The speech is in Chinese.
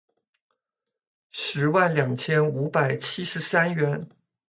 十万两千五百七十三元